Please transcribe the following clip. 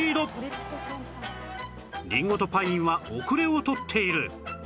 りんごとパインは後れを取っている